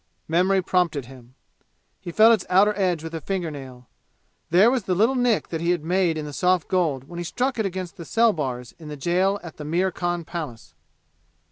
Memory prompted him. He felt its outer edge with a finger nail. There was the little nick that he had made in the soft gold when he struck it against the cell bars in the jail at the Mir Khan Palace!